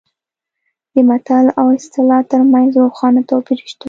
د متل او اصطلاح ترمنځ روښانه توپیر شته